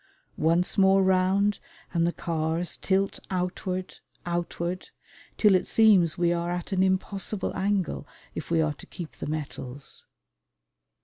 Once more round and the cars tilt outward, outward, till it seems we are at an impossible angle if we are to keep the metals.